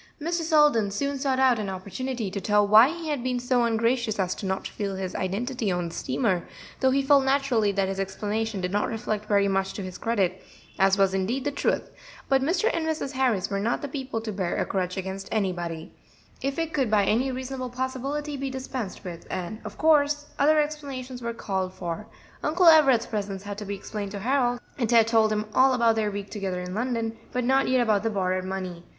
Mr. Selden soon sought out an opportunity to tell why he had been so ungracious as not to reveal his identity on the steamer, though he felt naturally that his explanation did not reflect very much to his credit, as was indeed the truth; but Mr. and Mrs. Harris were not the people to bear a grudge against anybody if it could by any reasonable possibility be dispensed with, and of course other explanations were called for. Uncle Everett's presence had to be explained to Harold, and Ted told him all about their week together in London, but not yet about the borrowed money.